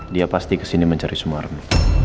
dia pasti kesini mencari sumarni